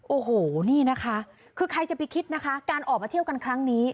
โอ้โหนี่นะคะคือใครจะไปคิดนะคะการออกมาเที่ยวกันครั้งนี้